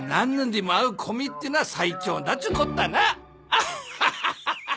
アハハハハ。